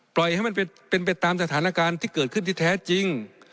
ปล่อยให้มันเป็นไปตามสถานการณ์ที่เกิดขึ้นที่แท้จริง